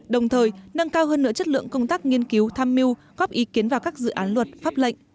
đồng thời nâng cao hơn nửa chất lượng công tác nghiên cứu tham mưu góp ý kiến vào các dự án luật pháp lệnh